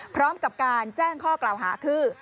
พร้อมกับการแจ้งข้อกล่าวหาคือ